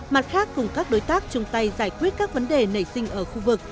mặt khác cùng các đối tác chung tay giải quyết các vấn đề nảy sinh ở khu vực